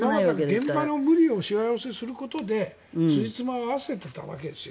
今までは現場の無理をしわ寄せすることでつじつまを合わせていたわけです。